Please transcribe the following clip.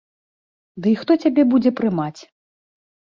Дый хто цябе будзе прымаць.